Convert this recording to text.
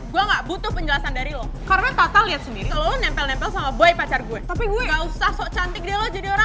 gue gak butuh penjelasan dari dia